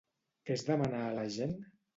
Què es demana a la gent?